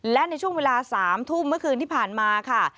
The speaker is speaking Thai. และในช่วงเวลา๓ทุ่มเมื่อคืนที่ผ่านมาค่ะ